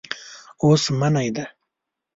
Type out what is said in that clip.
اوس منی دی.